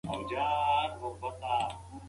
انارګل د دښتې درنه خاموشي ماته کړه.